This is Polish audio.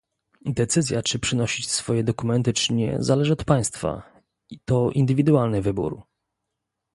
Decyzja czy przynosić swoje dokumenty czy nie zależy od państwa - to indywidualny wybór